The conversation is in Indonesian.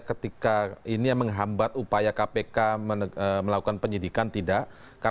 ketika ini yang menghambat upaya kpk melakukan penyidikan tidak